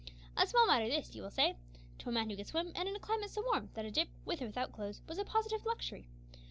A small matter this, you will say, to a man who could swim, and in a climate so warm that a dip, with or without clothes, was a positive luxury.